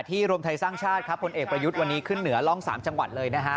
รวมไทยสร้างชาติครับผลเอกประยุทธ์วันนี้ขึ้นเหนือร่อง๓จังหวัดเลยนะฮะ